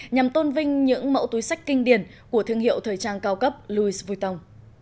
nhằm tôn vinh những mẫu túi sách kinh điển của thương hiệu thời trang cao cấp louis vuitton